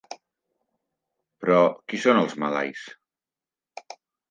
Però, qui són els malais?